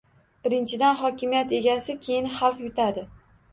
Birinchidan, hokimiyat egasi, keyin xalq yutadi